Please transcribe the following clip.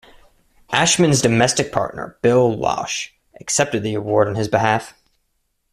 Ashman's domestic partner Bill Lauch accepted the award on his behalf.